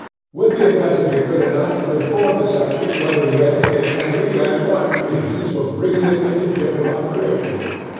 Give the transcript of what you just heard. Would the inventor be good enough to inform the section whether he had taken any and what means for bringing it into general operation?